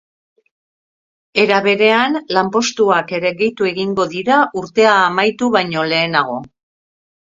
Era berean, lanpostuak ere gehitu egingo dira urtea amaitu baino lehenago.